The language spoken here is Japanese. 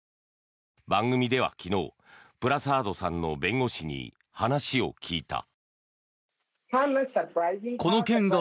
番組では昨日プラサードさんの弁護士に話を聞いた。